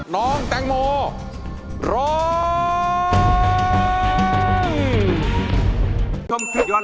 น้องแตงโมร้อง